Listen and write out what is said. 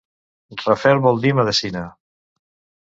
Rafel vol dir medecina.